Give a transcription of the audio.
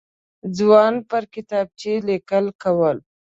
ځوان پر کتابچه لیکل کول.